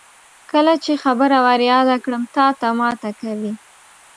کله چې خبره ور یاده کړم تاته ماته کوي.